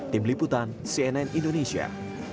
tim liputan cnn indonesia